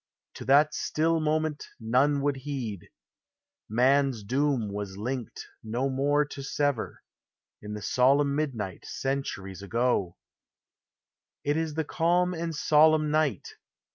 To that still moment none would heed, Man's doom was linked no more to sever In the solemn midnight, Centuries ago! It is the calm and solemn night!